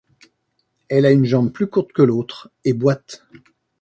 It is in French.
Elle a une jambe plus courte que l'autre, et boite.